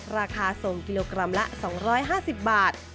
ราคาส่งกิโลกรัมละ๒๕๐บาท